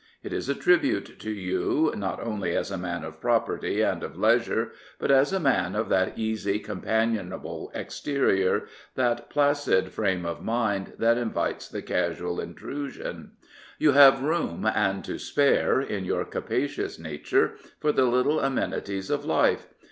It is a tribute to you not only as a man of property and of leisure, but as a man of that easy, companionable exterior, that placid frame of mind that invites the casual intrusion. You have room and to spare in your capacious nature for the little amenities of life.